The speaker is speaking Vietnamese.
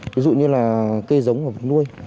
ví dụ như là cây giống và vật nuôi